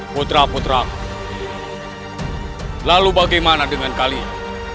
putra putra lalu bagaimana dengan kalian